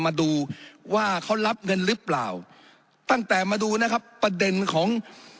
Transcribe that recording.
มาดูว่าเขารับเงินหรือเปล่าตั้งแต่มาดูนะครับประเด็นของ